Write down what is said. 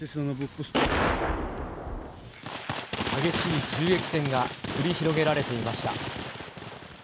激しい銃撃戦が繰り広げられていました。